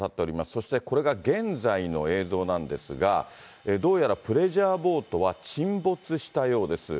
そしてこれが現在の映像なんですが、どうやらプレジャーボートは沈没したようです。